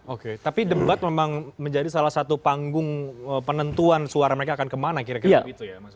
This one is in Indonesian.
oke tapi debat memang menjadi salah satu panggung penentuan suara mereka akan kemana kira kira begitu ya mas